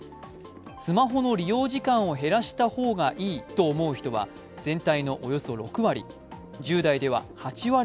スマホの利用時間を減らした方がいいと思う人は全体のおよそ６割。